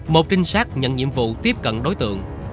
một trinh sát nhận nhiệm vụ tiếp cận đối tượng